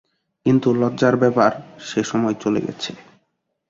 কিন্তু লজ্জার ব্যাপার, সে সময় চলে গেছে।